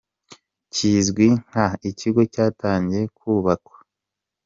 kizwi nka Ikigo cyatangiye kubakwa.